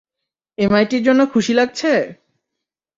এমআইটির জন্য খুশি লাগছে?